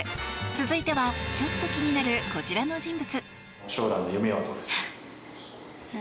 続いては、ちょっと気になるこちらの人物。